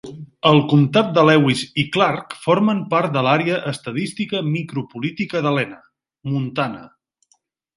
El Comtat de Lewis i Clark forma part de l'Àrea estadística micro-política d'Helena, Montana.